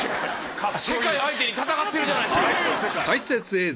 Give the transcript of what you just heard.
世界相手に戦ってるじゃないですか！